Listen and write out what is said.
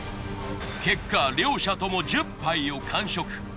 結果両者とも１０杯を完食。